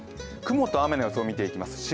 雲と雨の様子を見ていきます。